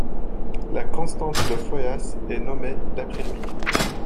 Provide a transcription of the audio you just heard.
La constante de Foias est nommée d'après lui.